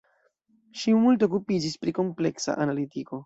Ŝi multe okupiĝis pri kompleksa analitiko.